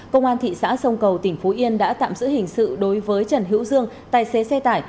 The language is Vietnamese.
công an thị xã sông cầu tỉnh phú yên đã tạm giữ hình sự đối với trần hữu dương tài xế xe tải